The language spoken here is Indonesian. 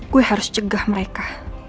gue harus cegah mereka